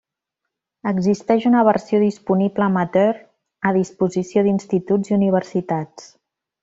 Existeix una versió disponible amateur a disposició d'instituts i universitats.